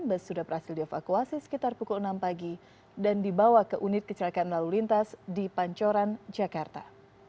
bus sudah berhasil dievakuasi sekitar pukul enam pagi dan dibawa ke unit kecelakaan lalu lintas di pancoran jakarta